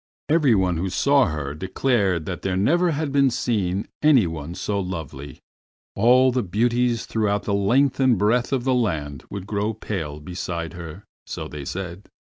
Everyone who saw her declared that there never had been seen any one so lovely; all the beauties throughout the length and breadth of the land would grow pale beside her, so they said.